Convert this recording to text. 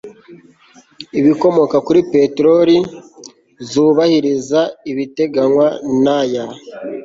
ibikomoka kuri peteroli zubahiriza ibiteganywa n aya